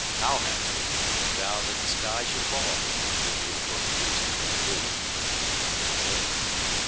Powhatan, who had vowed that the sky should fall before the Indians broke peace with the Virginians, was now dead.